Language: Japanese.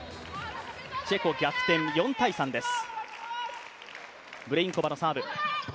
チェコ逆転、４ー３です。